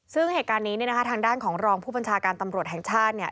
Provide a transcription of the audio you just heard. ซึ่งเหตุการณ์นี้ทางด้านของรองผู้บัญชาการตำรวจแห่งชาติ